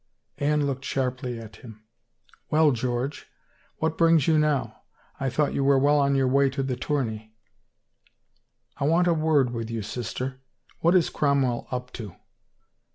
Anne looked sharply at him. " Well, "George, what brings you now? I thought you well on your way to the tourney." " I want a word with you, sister. What is Cromwell up to?"